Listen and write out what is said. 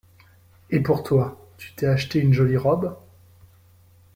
Et pour toi, tu t’es achetée une jolie robe?